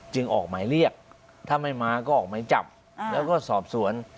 ออกหมายเรียกถ้าไม่มาก็ออกหมายจับแล้วก็สอบสวน